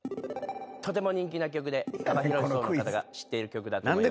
とても人気な曲で幅広い層の方が知っている曲だと思います。